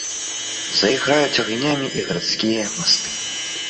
Зайграюць агнямі і гарадскія масты.